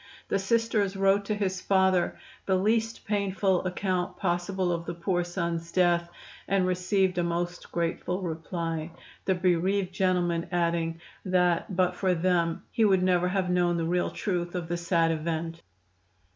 The Sisters wrote to his father the least painful account possible of the poor son's death, and received a most grateful reply, the bereaved gentleman adding that but for them he would never have known the real truth of the sad event.